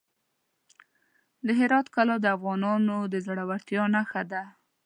د هرات کلا د افغانانو د زړورتیا نښه ده.